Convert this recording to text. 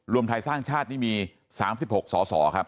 รวมไทยสร้างชาตินี่มี๓๖สสครับ